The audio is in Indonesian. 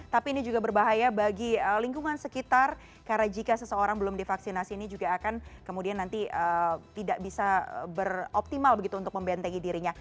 tapi ini juga berbahaya bagi lingkungan sekitar karena jika seseorang belum divaksinasi ini juga akan kemudian nanti tidak bisa beroptimal begitu untuk membentengi dirinya